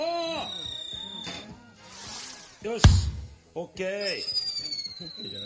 よし、ＯＫ！